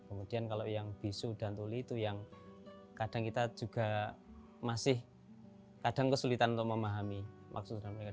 kemudian kalau yang bisu dan tuli itu yang kadang kita juga masih kadang kesulitan untuk memahami maksud dalam mereka